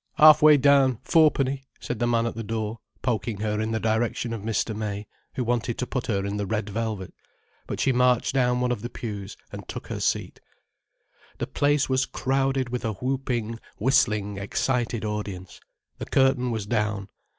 "Arf way down, fourpenny," said the man at the door, poking her in the direction of Mr. May, who wanted to put her in the red velvet. But she marched down one of the pews, and took her seat. The place was crowded with a whooping, whistling, excited audience. The curtain was down.